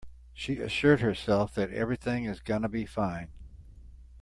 She assured herself that everything is gonna be fine.